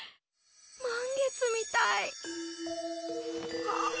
満月みたい。